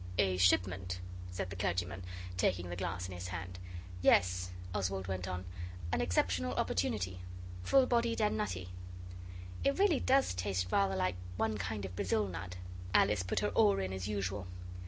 'A shipment?' said the clergyman, taking the glass in his hand. 'Yes,' Oswald went On; 'an exceptional opportunity. Full bodied and nutty.' 'It really does taste rather like one kind of Brazil nut.' Alice put her oar in as usual.